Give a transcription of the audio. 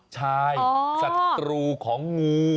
ใช่สัตว์ตรูของหนู